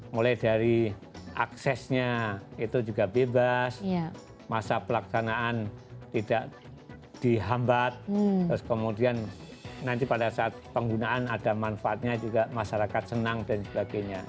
mulai dari aksesnya itu juga bebas masa pelaksanaan tidak dihambat terus kemudian nanti pada saat penggunaan ada manfaatnya juga masyarakat senang dan sebagainya